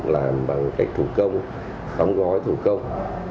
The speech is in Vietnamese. làm bằng cách thủ công đóng gói thủ công